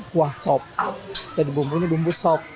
kuah sop jadi bumbu ini bumbu sop